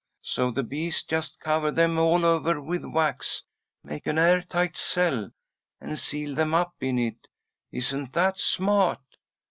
So the bees just cover them all over with wax, make an air tight cell, and seal them up in it. Isn't that smart?